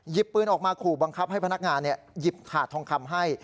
ปืนออกมาขู่บังคับให้พนักงานหยิบถาดทองคำให้